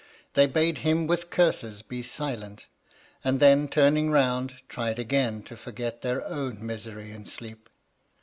They bade him with curses be silent; and then turning round, tried again to forget their own misery in sleep.